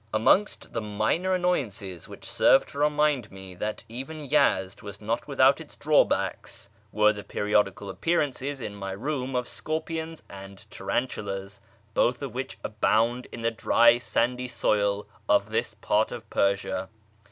Amongst the minor annoyances which served to remind me that even Yezd was not without its drawbacks, were the periodical appearances in my room of scorpions and tarantulas, both of which abound in the dry, sandy soil of this part of Persia.